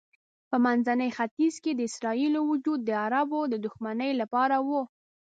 په منځني ختیځ کې د اسرائیلو وجود د عربو د دښمنۍ لپاره و.